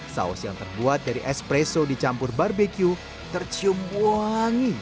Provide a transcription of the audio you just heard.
saus yang terbuat dari espresso dicampur barbeque tercium wangi